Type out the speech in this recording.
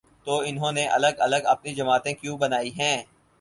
تو انہوں نے الگ الگ اپنی جماعتیں کیوں بنائی ہیں؟